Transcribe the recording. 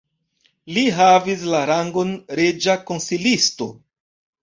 Li havis la rangon reĝa konsilisto.